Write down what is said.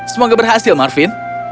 semoga berhasil marvin